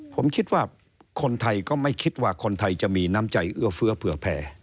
ผมคิดว่าคนไทยก็ไม่คิดว่าคนไทยจะมีน้ำใจเอื้อเฟื้อเผื่อแผ่